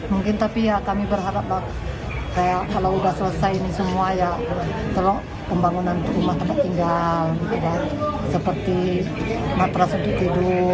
mungkin tapi ya kami berharap kalau sudah selesai ini semua ya selok pembangunan rumah tempat tinggal